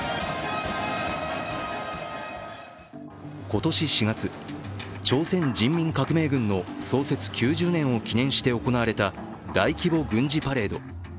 今年４月、朝鮮人民革命軍の創設９０年を記念して行われた大規模軍事パレード。